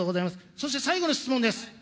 そして最後の質問です。